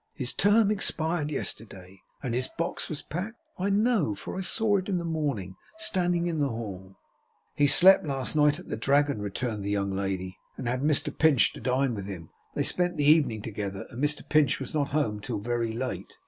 'His term expired yesterday. And his box was packed, I know; for I saw it, in the morning, standing in the hall.' 'He slept last night at the Dragon,' returned the young lady, 'and had Mr Pinch to dine with him. They spent the evening together, and Mr Pinch was not home till very late.